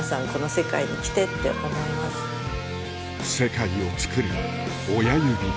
世界をつくる親指で